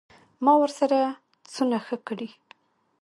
ما ورسره څونه ښه کړي.